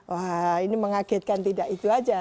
wah ini mengagetkan tidak itu aja